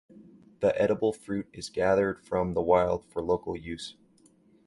The edible fruit is gathered from the wild for local use.